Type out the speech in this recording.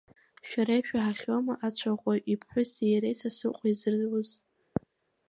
Шәара ишәаҳахьоума ацәаӷәаҩ иԥҳәыси иареи Сасрыҟәа изыруз?